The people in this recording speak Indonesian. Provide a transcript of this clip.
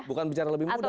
bukan bicara lebih mudah